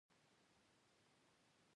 په همغه تاند کې مې شپږ مياشتې مخکې ليکلي وو.